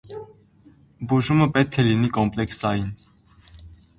Բուժումը պետք է լինի կոմպլեքսային։